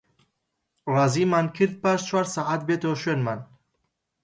ڕازیمان کرد پاش چوار سەعات بێتەوە شوێنمان